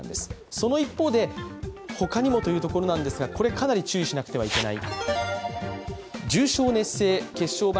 その一方で、ほかにもというところなんですが、これかなり注意しなくてはいけない。